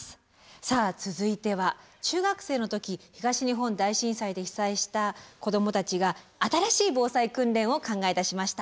さあ続いては中学生の時東日本大震災で被災した子どもたちが新しい防災訓練を考え出しました。